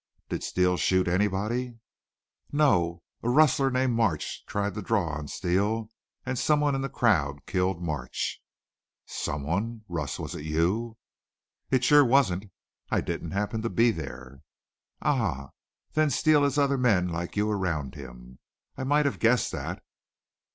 "Did Steele shoot anybody?" "No. A rustler named March tried to draw on Steele, and someone in the crowd killed March." "Someone? Russ, was it you?" "It sure wasn't. I didn't happen to be there." "Ah! Then Steele has other men like you around him. I might have guessed that."